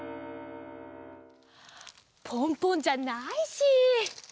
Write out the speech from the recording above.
ポンポンじゃないし。